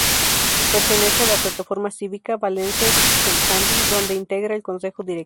Pertenece a la plataforma cívica "Valencians pel Canvi", donde integra el consejo directivo.